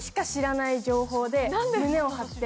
胸を張って。